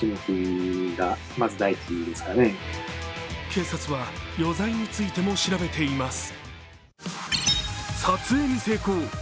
警察は余罪についても調べています。